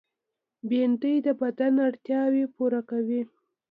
بېنډۍ د بدن اړتیاوې پوره کوي